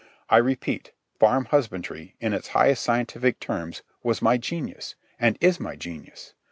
I repeat, farm husbandry, in its highest scientific terms, was my genius, and is my genius.